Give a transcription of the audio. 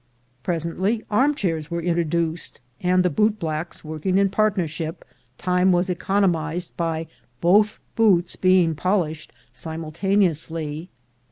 Presently arm chairs were introduced, and, the bootblacks working in partnership, time was econo mized by both boots being polished simultaneously.